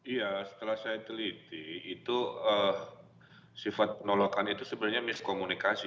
iya setelah saya teliti itu sifat penolakan itu sebenarnya miskomunikasi